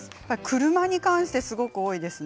車に関してすごく多いです。